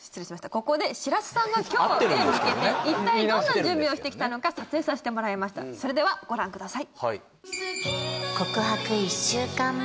ここでしらすさんが今日へ向けて一体どんな準備をしてきたのか撮影させてもらいましたそれではご覧ください